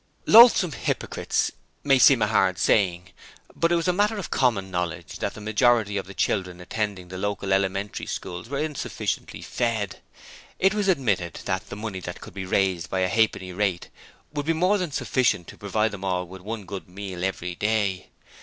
'Loathsome hypocrites' may seem a hard saying, but it was a matter of common knowledge that the majority of the children attending the local elementary schools were insufficiently fed. It was admitted that the money that could be raised by a halfpenny rate would be more than sufficient to provide them all with one good meal every day.